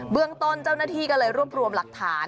เรื่องต้นเจ้าหน้าที่ก็เลยรวบรวมหลักฐาน